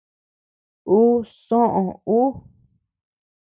Ú soʼö ú.